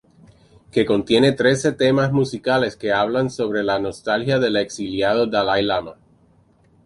Que contiene trece temas musicales que hablan sobre la nostalgia del exiliado dalai lama.